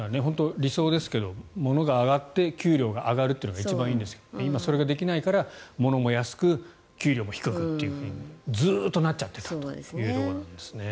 理想ですが物が上がって給料が上がるのが一番いいんですが今、それができないから物も安く、給料も低くとずっとなっちゃっていたということなんですね。